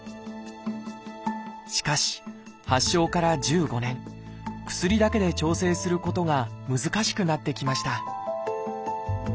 しかし発症から１５年薬だけで調整することが難しくなってきました